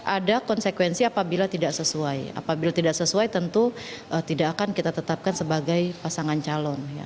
ada konsekuensi apabila tidak sesuai apabila tidak sesuai tentu tidak akan kita tetapkan sebagai pasangan calon